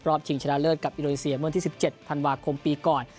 ชิงชนะเลิศกับอินโดนีเซียเมื่อที่๑๗ธันวาคมปีก่อน